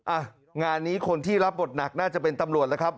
อ่ะงานนี้คนที่รับบทหนักน่าจะเป็นตำรวจแล้วครับ